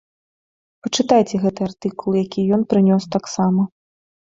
Пачытайце гэты артыкул, які ён прынёс таксама.